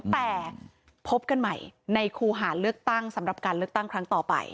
แต่พบกันใหม่ในคู่หาเลือกตั้งสำหรับการเลือกตั้งครั้งต่อไป